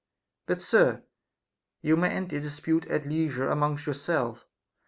But, sir, you may end this dispute at leisure among yourselves.